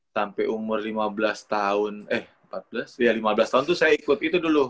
sampai umur lima belas tahun eh empat belas ya lima belas tahun itu saya ikut itu dulu